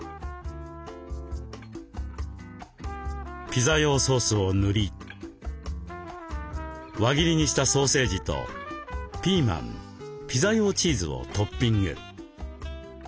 ピザ用ソースを塗り輪切りにしたソーセージとピーマンピザ用チーズをトッピング。